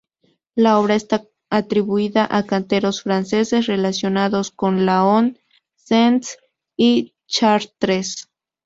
La obra está atribuida a canteros franceses, relacionados con Laon, Sens, y Chartres.